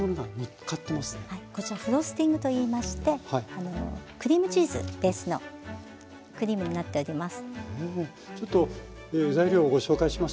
こちらフロスティングといいましてクリームチーズベースのクリームになっております。